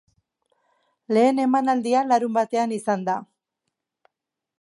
Lehen emanaldia larunbatean izan da.